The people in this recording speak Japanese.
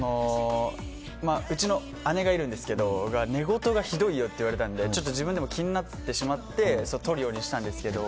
うちの姉がいるんですけど寝言がひどいよって言われたので、自分でも気になってしまって撮るようにしたんですけど